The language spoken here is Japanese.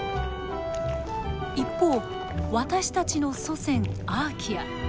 一方私たちの祖先アーキア。